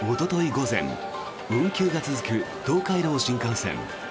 午前運休が続く東海道新幹線。